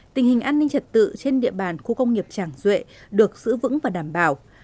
tình hình an ninh trật tự trên địa bàn khu công nghiệp tràng duệ được giữ vững và đảm bảo